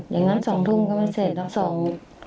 อย่างนั้น๒ทุ่มก็ไม่เสร็จต้องส่ง